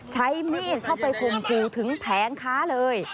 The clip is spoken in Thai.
ใช้มีดเข้าไปข่มขู่ถึงแผงค้าเลย